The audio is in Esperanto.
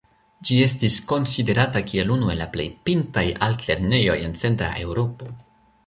Ĝi estis konsiderata kiel unu el la plej pintaj altlernejoj en Centra Eŭropo.